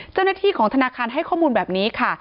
เจ้าหน้าที่ของธนาคารให้ข้อมูลแบบนี้ค่ะ